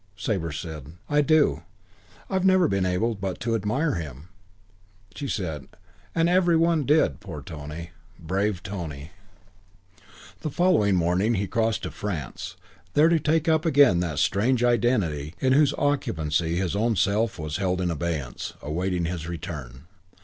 Sabre said, "I do. I've never been able but to admire him." She said, "Every one did Poor Tony. Brave Tony!"] XI On the following morning he crossed to France, there to take up again that strange identity in whose occupancy his own self was held in abeyance, waiting his return.